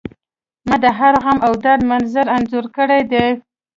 ما د هر غم او درد منظر انځور کړی دی